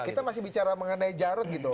kita masih bicara mengenai jarod gitu